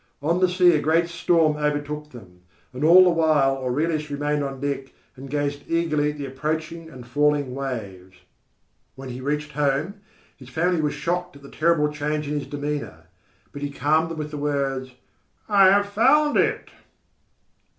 On the sea a great storm overtook them, and all the while Aurelius remained on deck and gazed eagerly at the approaching and falling waves. When he reached home his family were shocked at the terrible change in his demeanour, but he calmed them with the words: "I have found it!"